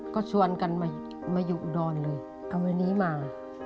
ก็ชวนกันมาอยู่อุดรเลยเอาวันนี้มา